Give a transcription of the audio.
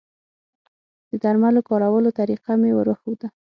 د درملو د کارولو طریقه مې وروښوده